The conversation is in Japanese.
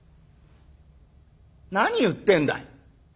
「何言ってんだい。